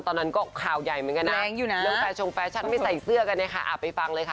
ตอนนั้นก็คราวใหญ่เหมือนกันนะ